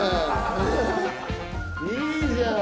いいじゃん！